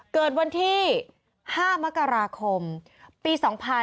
เกิดวันที่๕มกราคมปี๒๕๕๙